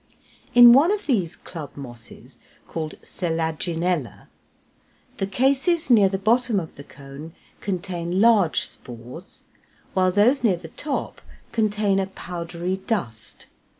In one of these club mosses called Selaginella, the cases near the bottom of the cone contain large spores, while those near the top contain a powdery dust.